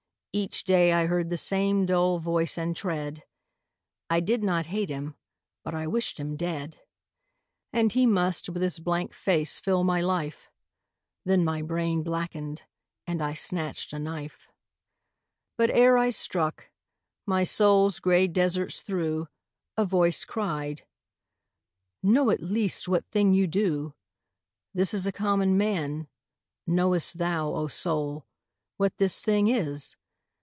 Each day I heard the same dull voice and tread; I did not hate him: but I wished him dead. And he must with his blank face fill my life Then my brain blackened; and I snatched a knife. But ere I struck, my soul's grey deserts through A voice cried, 'Know at least what thing you do.' 'This is a common man: knowest thou, O soul, What this thing is?